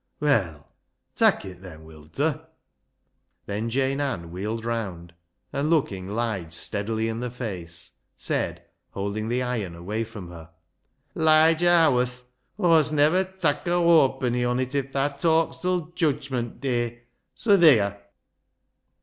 " "Well, tak' it then, will ta?" Then Jane Ann wheeled round, and, looking Lige steadily in the face, said, holding the iron away from her —" Liger Howarth, Aw'st never tak' a hawpenny on it if thaa talks till t' Judgment Day. Soa theer !